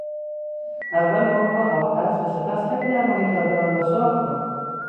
اول مرغ را آبپز و سپس کمی در ماهیتابه آن را سرخ کن.